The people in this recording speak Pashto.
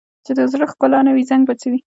چې د زړه ښکلا نه وي، زنګ به څه وکړي؟